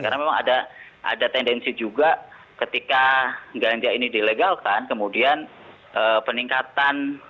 karena memang ada tendensi juga ketika ganja ini dilegalkan kemudian peningkatan penggunaan